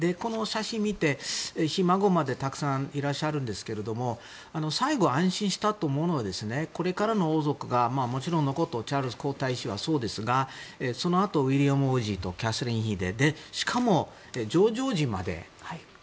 この写真を見て、ひ孫までたくさんいらっしゃるんですが最後は安心したと思うのはこれからの王族がもちろんのことチャールズ皇太子はそうですがそのあと、ウィリアム王子とキャサリン妃でしかもジョージ王子まで。